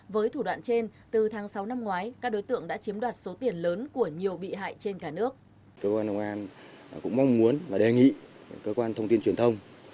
với thủ đoạn trên từ tháng sáu năm ngoái các đối tượng đã chiếm đoạt số tiền lớn